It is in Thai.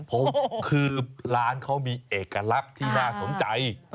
ผมคือร้านเขามีเอกลักษณ์ที่น่าสนใจ